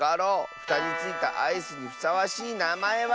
ふたについたアイスにふさわしいなまえは。